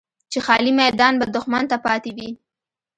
چې خالي میدان به دښمن ته پاتې وي.